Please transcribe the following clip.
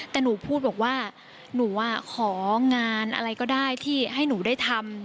แต่หนูพูดบอกว่าหนูของานอะไรก็ได้ที่ให้หนูได้ทำ